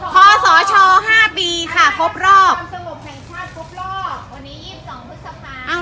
พ่อสอชอ๕ปีค่ะครบรอบวันนี้๒๒พฤษภาค